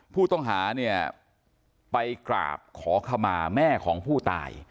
ผู้ต้องหาเนี่ยไปกราบขอขมาแม่ของผู้ตาย